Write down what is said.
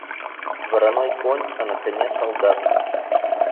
Вороной конь, а на коне солдат!